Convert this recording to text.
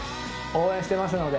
応援してますので。